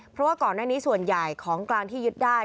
เพราะว่าก่อนหน้านี้ส่วนใหญ่ของกลางที่ยึดได้